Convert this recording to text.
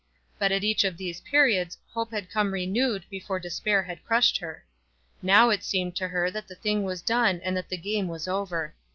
But at each of these periods hope had come renewed before despair had crushed her. Now it seemed to her that the thing was done and that the game was over.